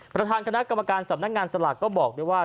ประธานคณะกรรมการสำนักงานสลากก็บอกด้วยว่า